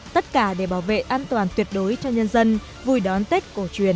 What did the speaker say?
tất cả để bảo vệ an toàn tuyệt đối cho nhân dân vui đón tết cổ truyền